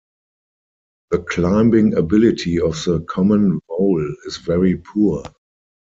The climbing ability of the common vole is very poor.